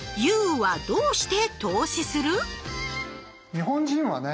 日本人はね